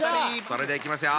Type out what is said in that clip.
それではいきますよ。